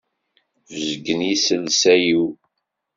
Bezgen yiselsa-iw.